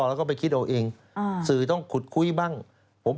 ตัวบุคคลแน่นอนอยู่แล้วครับ